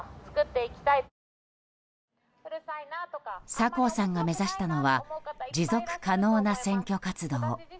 酒向さんが目指したのは持続可能な選挙活動。